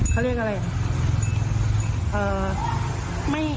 เขาเรียกอะไรอ่ะ